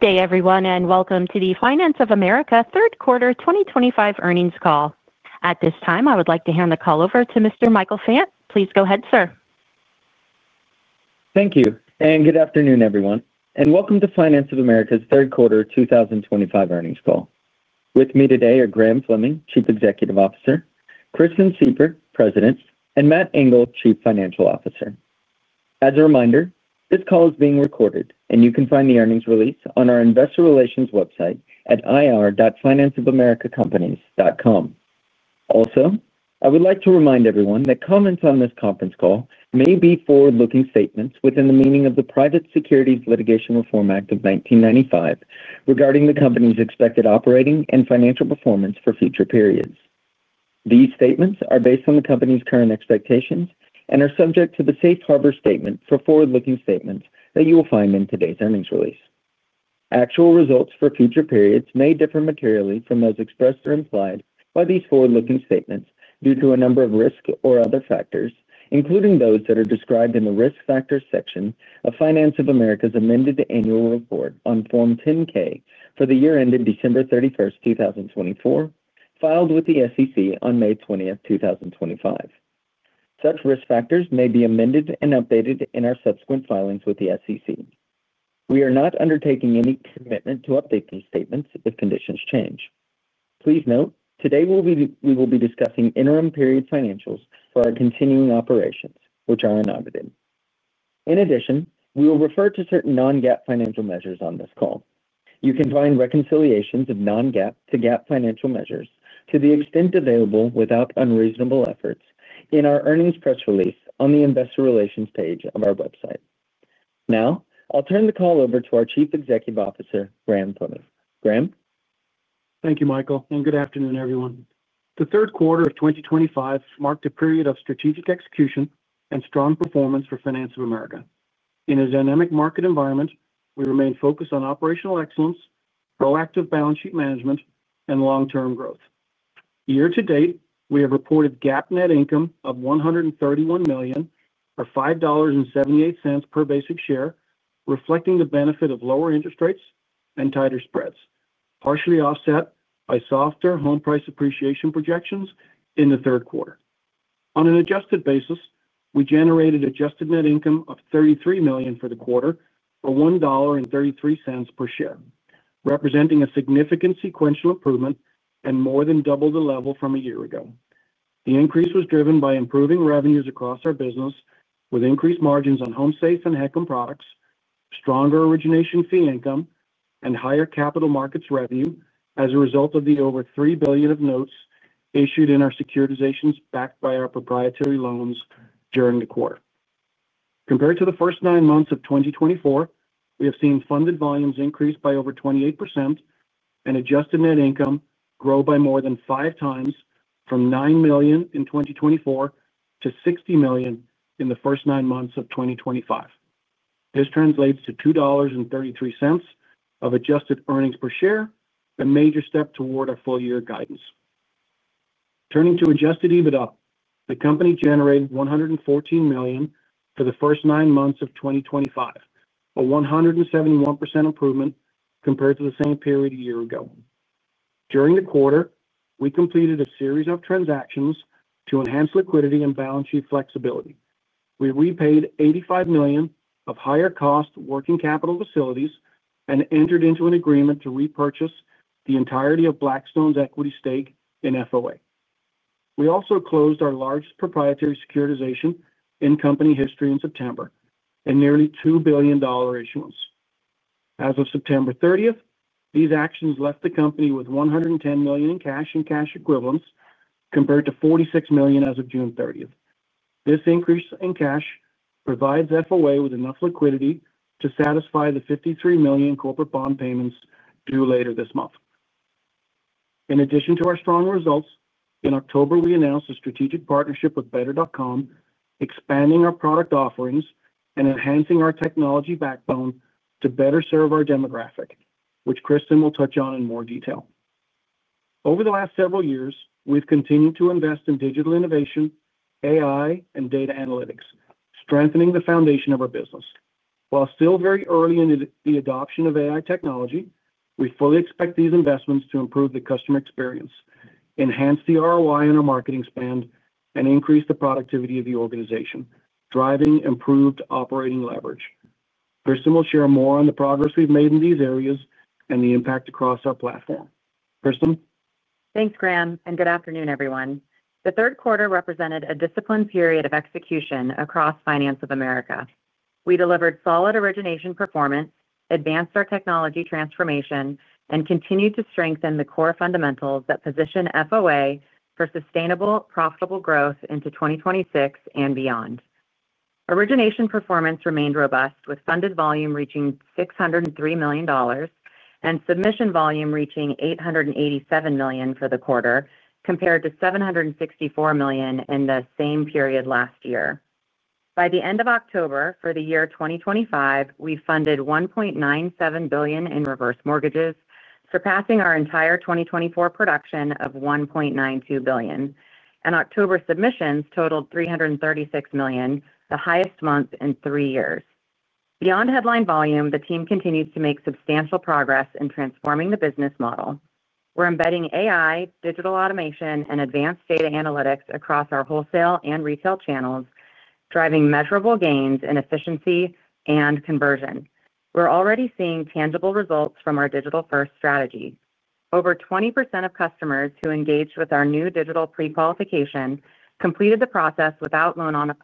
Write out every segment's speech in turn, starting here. Good day, everyone, and welcome to the Finance of America third quarter 2025 earnings call. At this time, I would like to hand the call over to Mr. Michael Fant. Please go ahead, sir. Thank you, and good afternoon, everyone, and welcome to Finance of America's third quarter 2025 earnings call. With me today are Graham Fleming, Chief Executive Officer, Kristen Sieffert, President, and Matt Engel, Chief Financial Officer. As a reminder, this call is being recorded, and you can find the earnings release on our Investor Relations website at ir.financeofamericacompanies.com. Also, I would like to remind everyone that comments on this conference call may be forward-looking statements within the meaning of the Private Securities Litigation Reform Act of 1995 regarding the company's expected operating and financial performance for future periods. These statements are based on the company's current expectations and are subject to the Safe Harbor Statement for forward-looking statements that you will find in today's earnings release. Actual results for future periods may differ materially from those expressed or implied by these forward-looking statements due to a number of risk or other factors, including those that are described in the risk factors section of Finance of America's amended annual report on Form 10-K for the year ended December 31st, 2024, filed with the SEC on May 20, 2025. Such risk factors may be amended and updated in our subsequent filings with the SEC. We are not undertaking any commitment to update these statements if conditions change. Please note, today we will be discussing interim period financials for our continuing operations, which are unaudited. In addition, we will refer to certain non-GAAP financial measures on this call. You can find reconciliations of non-GAAP to GAAP financial measures to the extent available without unreasonable efforts in our earnings press release on the Investor Relations page of our website. Now, I'll turn the call over to our Chief Executive Officer, Graham Fleming. Graham? Thank you, Michael, and good afternoon, everyone. The third quarter of 2025 marked a period of strategic execution and strong performance for Finance of America. In a dynamic market environment, we remain focused on operational excellence, proactive balance sheet management, and long-term growth. Year-to-date, we have reported GAAP net income of $131 million, or $5.78 per basic share, reflecting the benefit of lower interest rates and tighter spreads, partially offset by softer home price appreciation projections in the third quarter. On an adjusted basis, we generated adjusted net income of $33 million for the quarter for $1.33 per share, representing a significant sequential improvement and more than double the level from a year ago. The increase was driven by improving revenues across our business with increased margins on HomeSafe and HECM products, stronger origination fee income, and higher capital markets revenue as a result of the over $3 billion of notes issued in our securitizations backed by our proprietary loans during the quarter. Compared to the first 9 months of 2024, we have seen funded volumes increase by over 28% and adjusted net income grow by more than five times from $9 million in 2024 to $60 million in the first 9 months of 2025. This translates to $2.33 of adjusted earnings per share, a major step toward our full-year guidance. Turning to adjusted EBITDA, the company generated $114 million for the first 9 months of 2025, a 171% improvement compared to the same period a year ago. During the quarter, we completed a series of transactions to enhance liquidity and balance sheet flexibility. We repaid $85 million of higher-cost working capital facilities and entered into an agreement to repurchase the entirety of Blackstone's equity stake in FOA. We also closed our largest proprietary securitization in company history in September, a nearly $2 billion issuance. As of September 30th, these actions left the company with $110 million in cash and cash equivalents compared to $46 million as of June 30th. This increase in cash provides FOA with enough liquidity to satisfy the $53 million corporate bond payments due later this month. In addition to our strong results, in October, we announced a strategic partnership with Better.com, expanding our product offerings and enhancing our technology backbone to better serve our demographic, which Kristen will touch on in more detail. Over the last several years, we've continued to invest in digital innovation, AI, and data analytics, strengthening the foundation of our business. While still very early in the adoption of AI technology, we fully expect these investments to improve the customer experience, enhance the ROI in our marketing spend, and increase the productivity of the organization, driving improved operating leverage. Kristen will share more on the progress we've made in these areas and the impact across our platform. Kristen? Thanks, Graham, and good afternoon, everyone. The third quarter represented a disciplined period of execution across Finance of America. We delivered solid origination performance, advanced our technology transformation, and continued to strengthen the core fundamentals that position FOA for sustainable, profitable growth into 2026 and beyond. Origination performance remained robust, with funded volume reaching $603 million. And submission volume reaching $887 million for the quarter, compared to $764 million in the same period last year. By the end of October for the year 2025, we funded $1.97 billion in reverse mortgages, surpassing our entire 2024 production of $1.92 billion, and October submissions totaled $336 million, the highest month in 3 years. Beyond headline volume, the team continues to make substantial progress in transforming the business model. We're embedding AI, digital automation, and advanced data analytics across our wholesale and retail channels, driving measurable gains in efficiency and conversion. We're already seeing tangible results from our digital-first strategy. Over 20% of customers who engaged with our new digital prequalification completed the process without loan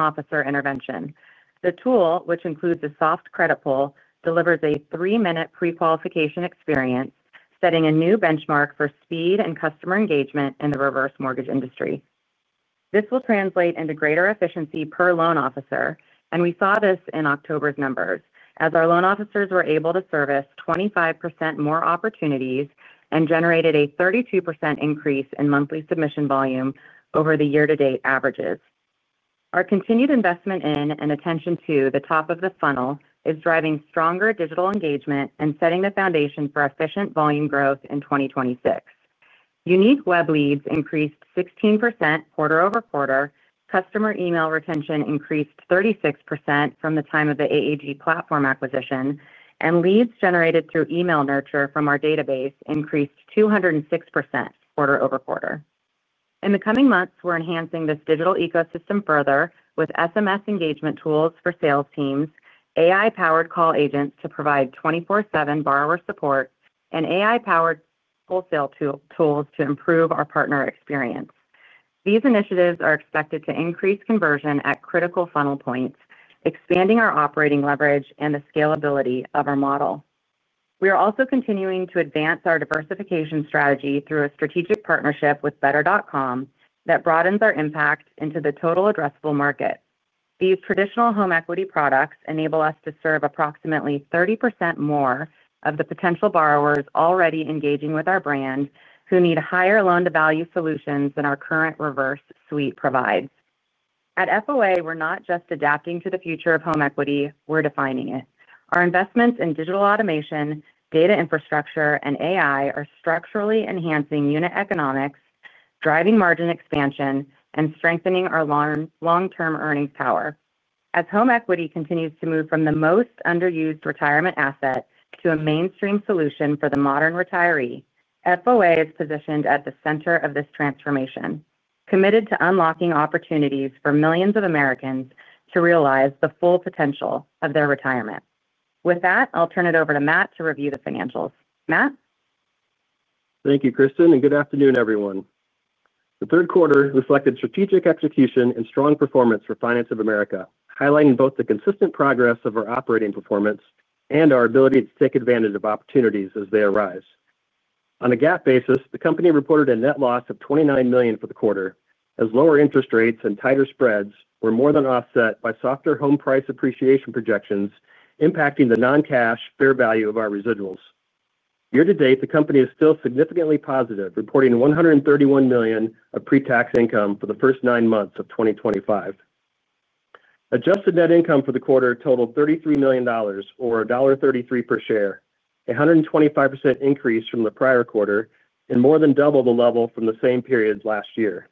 officer intervention. The tool, which includes a soft credit pull, delivers a 3-minute prequalification experience, setting a new benchmark for speed and customer engagement in the reverse mortgage industry. This will translate into greater efficiency per loan officer, and we saw this in October's numbers as our loan officers were able to service 25% more opportunities and generated a 32% increase in monthly submission volume over the year-to-date averages. Our continued investment in and attention to the top of the funnel is driving stronger digital engagement and setting the foundation for efficient volume growth in 2026. Unique web leads increased 16% quarter-over-quarter, customer email retention increased 36% from the time of the AAG platform acquisition, and leads generated through email nurture from our database increased 206% quarter-over-quarter. In the coming months, we're enhancing this digital ecosystem further with SMS engagement tools for sales teams, AI-powered call agents to provide 24/7 borrower support, and AI-powered wholesale tools to improve our partner experience. These initiatives are expected to increase conversion at critical funnel points, expanding our operating leverage and the scalability of our model. We are also continuing to advance our diversification strategy through a strategic partnership with Better.com that broadens our impact into the total addressable market. These traditional home equity products enable us to serve approximately 30% more of the potential borrowers already engaging with our brand who need higher loan-to-value solutions than our current reverse suite provides. At FOA, we're not just adapting to the future of home equity. We're defining it. Our investments in digital automation, data infrastructure, and AI are structurally enhancing unit economics, driving margin expansion, and strengthening our long-term earnings power. As home equity continues to move from the most underused retirement asset to a mainstream solution for the modern retiree, FOA is positioned at the center of this transformation, committed to unlocking opportunities for millions of Americans to realize the full potential of their retirement. With that, I'll turn it over to Matt to review the financials. Matt? Thank you, Kristen, and good afternoon, everyone. The third quarter reflected strategic execution and strong performance for Finance of America, highlighting both the consistent progress of our operating performance and our ability to take advantage of opportunities as they arise. On a GAAP basis, the company reported a net loss of $29 million for the quarter, as lower interest rates and tighter spreads were more than offset by softer home price appreciation projections impacting the non-cash fair value of our residuals. Year-to-date, the company is still significantly positive, reporting $131 million of pre-tax income for the first 9 months of 2025. Adjusted net income for the quarter totaled $33 million, or $1.33 per share, a 125% increase from the prior quarter and more than double the level from the same period last year.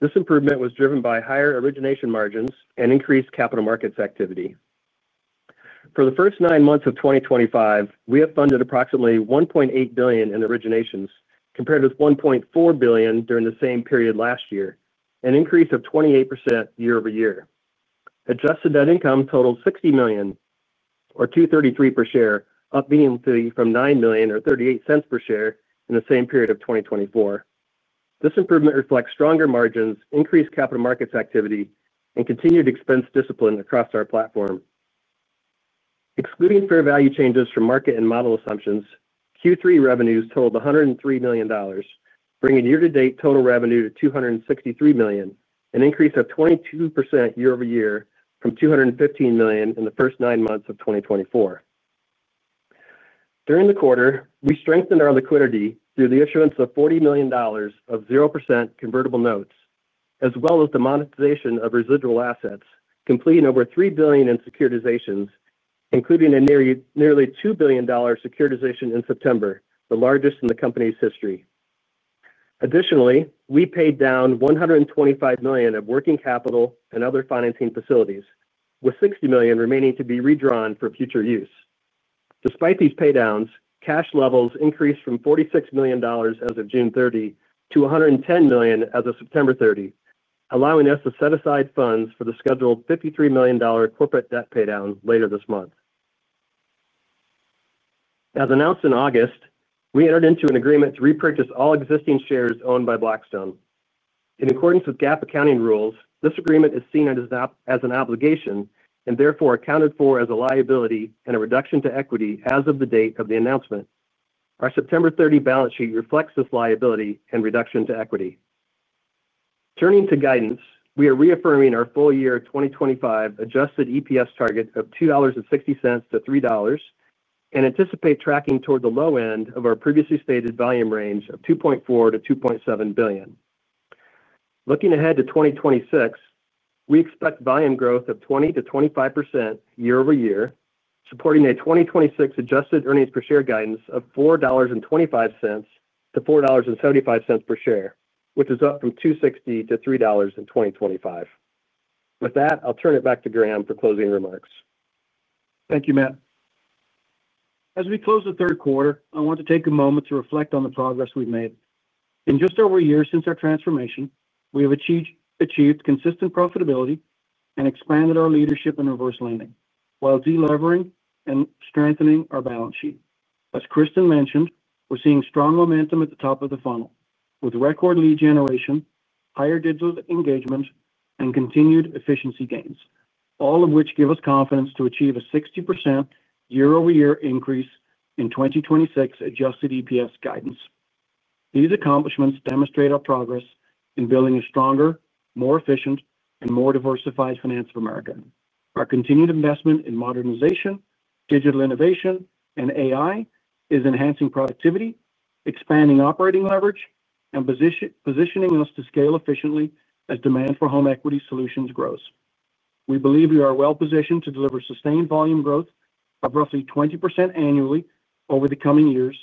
This improvement was driven by higher origination margins and increased capital markets activity. For the first 9 months of 2025, we have funded approximately $1.8 billion in originations compared with $1.4 billion during the same period last year, an increase of 28% year-over-year. Adjusted net income totaled $60 million, or $2.33 per share, up meaningfully from $9 million, or $0.38 per share, in the same period of 2024. This improvement reflects stronger margins, increased capital markets activity, and continued expense discipline across our platform. Excluding fair value changes from market and model assumptions, Q3 revenues totaled $103 million, bringing year-to-date total revenue to $263 million, an increase of 22% year-over-year from $215 million in the first 9 months of 2024. During the quarter, we strengthened our liquidity through the issuance of $40 million of 0% convertible notes, as well as the monetization of residual assets, completing over $3 billion in securitizations, including a nearly $2 billion securitization in September, the largest in the company's history. Additionally, we paid down $125 million of working capital and other financing facilities, with $60 million remaining to be redrawn for future use. Despite these paydowns, cash levels increased from $46 million as of June 30 to $110 million as of September 30, allowing us to set aside funds for the scheduled $53 million corporate debt paydown later this month. As announced in August, we entered into an agreement to repurchase all existing shares owned by Blackstone. In accordance with GAAP accounting rules, this agreement is seen as an obligation and therefore accounted for as a liability and a reduction to equity as of the date of the announcement. Our September 30 balance sheet reflects this liability and reduction to equity. Turning to guidance, we are reaffirming our full-year 2025 adjusted EPS target of $2.60-$3.00 and anticipate tracking toward the low end of our previously stated volume range of $2.4-$2.7 billion. Looking ahead to 2026, we expect volume growth of 20%-25% year-over-year, supporting a 2026 adjusted earnings per share guidance of $4.25-$4.75 per share, which is up from $2.60-$3.00 in 2025. With that, I'll turn it back to Graham for closing remarks. Thank you, Matt. As we close the third quarter, I want to take a moment to reflect on the progress we've made. In just over a year since our transformation, we have achieved consistent profitability and expanded our leadership in reverse lending while delivering and strengthening our balance sheet. As Kristen mentioned, we're seeing strong momentum at the top of the funnel with record lead generation, higher digital engagement, and continued efficiency gains, all of which give us confidence to achieve a 60% year-over-year increase in 2026 adjusted EPS guidance. These accomplishments demonstrate our progress in building a stronger, more efficient, and more diversified Finance of America. Our continued investment in modernization, digital innovation, and AI is enhancing productivity, expanding operating leverage, and positioning us to scale efficiently as demand for home equity solutions grows. We believe we are well-positioned to deliver sustained volume growth of roughly 20% annually over the coming years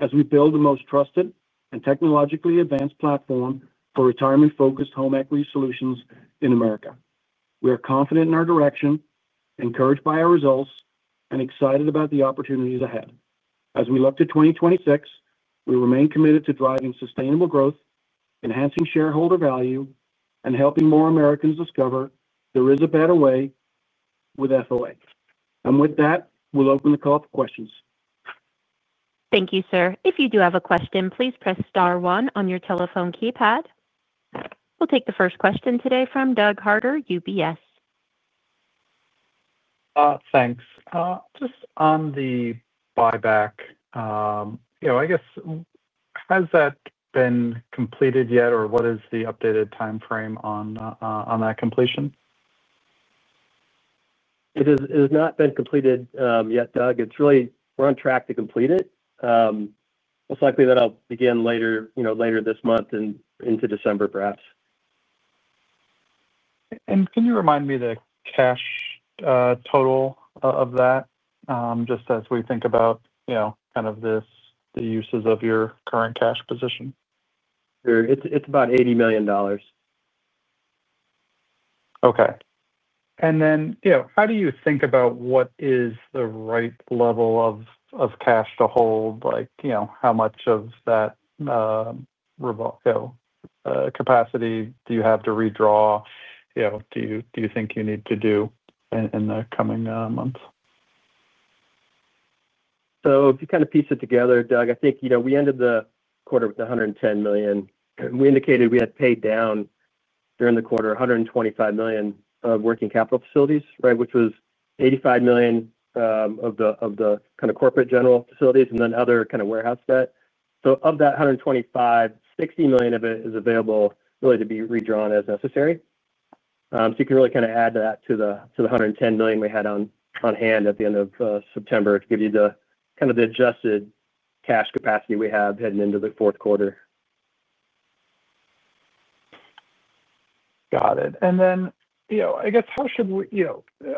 as we build the most trusted and technologically advanced platform for retirement-focused home equity solutions in America. We are confident in our direction, encouraged by our results, and excited about the opportunities ahead. As we look to 2026, we remain committed to driving sustainable growth, enhancing shareholder value, and helping more Americans discover there is a better way with FOA. And with that, we'll open the call for questions. Thank you, sir. If you do have a question, please press star one on your telephone keypad. We'll take the first question today from Doug Harter, UBS. Thanks. Just on the buyback. I guess. Has that been completed yet, or what is the updated timeframe on that completion? It has not been completed yet, Doug. It's really, we're on track to complete it. Most likely that'll begin later this month and into December, perhaps. And can you remind me the cash total of that? Just as we think about kind of the uses of your current cash position? It's about $80 million. Okay, and then how do you think about what is the right level of cash to hold? How much of that capacity do you have to redraw? Do you think you need to do in the coming months? So if you kind of piece it together, Doug, I think we ended the quarter with the $110 million. We indicated we had paid down during the quarter $125 million of working capital facilities, right, which was $85 million of the kind of corporate general facilities and then other kind of warehouse debt. So of that $125 million, $60 million of it is available really to be redrawn as necessary. So you can really kind of add that to the $110 million we had on hand at the end of September to give you the kind of the adjusted cash capacity we have heading into the fourth quarter. Got it. And then I guess how should we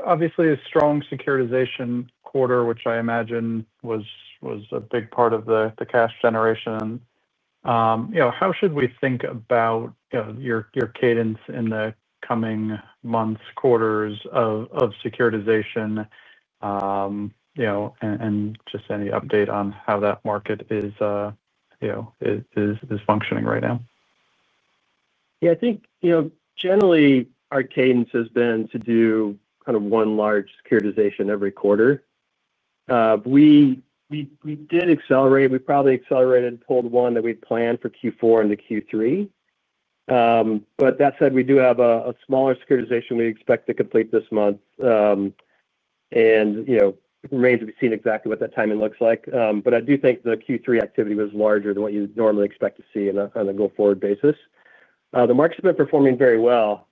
obviously a strong securitization quarter, which I imagine was a big part of the cash generation. How should we think about your cadence in the coming months, quarters of securitization? And just any update on how that market is functioning right now? Yeah, I think generally our cadence has been to do kind of one large securitization every quarter. We probably accelerated and pulled one that we'd planned for Q4 into Q3. But that said, we do have a smaller securitization we expect to complete this month. Remains to be seen exactly what that timing looks like. But I do think the Q3 activity was larger than what you'd normally expect to see on a go-forward basis. The market's been performing very well.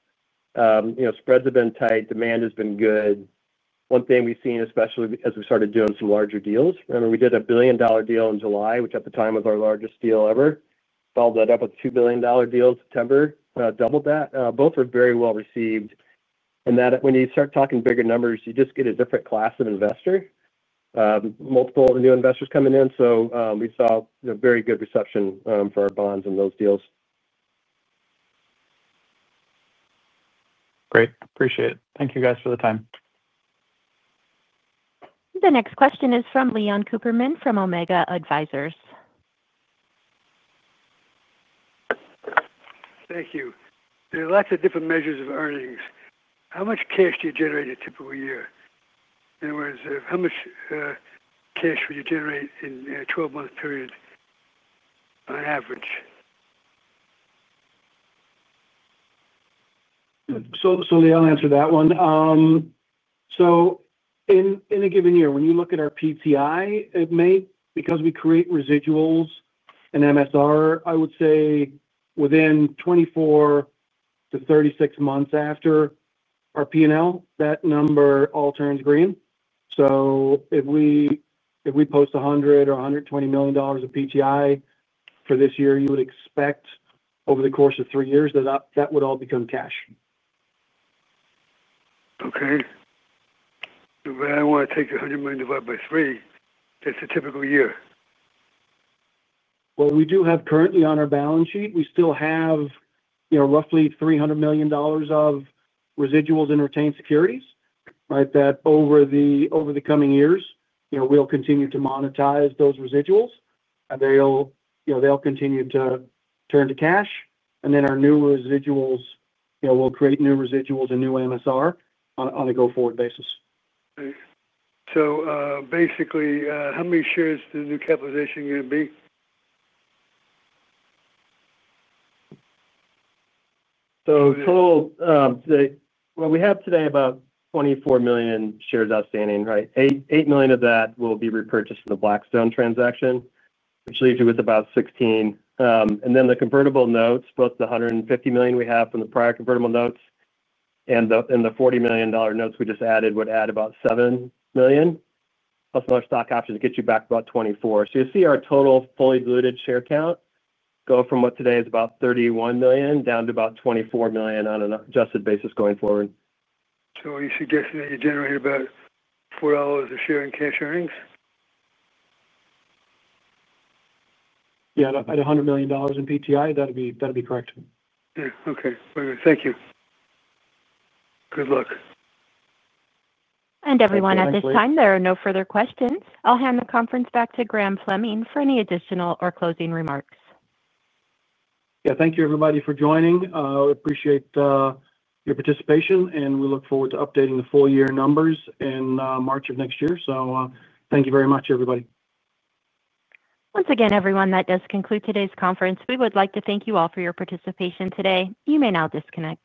Spreads have been tight. Demand has been good. One thing we've seen, especially as we started doing some larger deals, I mean, we did a $1 billion deal in July, which at the time was our largest deal ever. Followed that up with a $2 billion deal in September, doubled that. Both were very well-received. And when you start talking bigger numbers, you just get a different class of investor. Multiple new investors coming in, so we saw very good reception for our bonds and those deals. Great. Appreciate it. Thank you, guys, for the time. The next question is from Leon Cooperman from Omega Advisors. Thank you. There are lots of different measures of earnings. How much cash do you generate a typical year? In other words, how much cash would you generate in a 12-month period? On average? So Leon, I'll answer that one. So in a given year, when you look at our PTI, it may, because we create residuals and MSR, I would say within 24-36 months after our P&L, that number all turns green. So if we post $100 million or $120 million of PTI for this year, you would expect over the course of 3 years that that would all become cash. Okay. I want to take the $100 million divided by 3. That's a typical year. Well, we do have currently on our balance sheet, we still have roughly $300 million of residuals and retained securities, right, that over the coming years, we'll continue to monetize those residuals. And they'll continue to turn to cash. And then our new residuals will create new residuals and new MSR on a go-forward basis. So basically, how many shares is the new capitalization going to be? So total. Today, well, we have today about 24 million shares outstanding, right? 8 million of that will be repurchased in the Blackstone transaction, which leaves you with about 16. And then the convertible notes, both the $150 million we have from the prior convertible notes and the $40 million notes we just added would add about 7 million. Plus our stock options get you back about 24. So you see our total fully diluted share count go from what today is about 31 million down to about 24 million on an adjusted basis going forward. So are you suggesting that you generate about $4 a share in cash earnings? Yeah, at $100 million in PTI, that'd be correct. Okay. Thank you. Good luck. Everyone, at this time, there are no further questions. I'll hand the conference back to Graham Fleming for any additional or closing remarks. Yeah, thank you, everybody, for joining. We appreciate your participation, and we look forward to updating the full-year numbers in March of next year. So thank you very much, everybody. Once again, everyone, that does conclude today's conference. We would like to thank you all for your participation today. You may now disconnect.